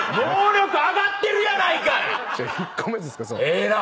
ええな。